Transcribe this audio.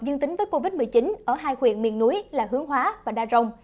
dương tính với covid một mươi chín ở hai huyện miền núi là hướng hóa và đa rồng